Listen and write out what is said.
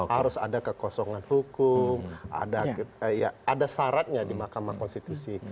harus ada kekosongan hukum ada syaratnya di mahkamah konstitusi